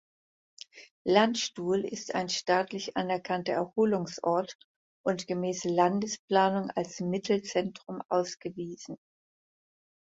Landstuhl ist ein staatlich anerkannter Erholungsort und gemäß Landesplanung als Mittelzentrum ausgewiesen.